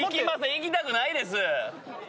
行きたくないです。